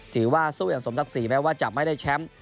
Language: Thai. ถือว่าสู้อย่างสมศักดิ์ศรีแม้ว่าจะไม่ได้แชมป์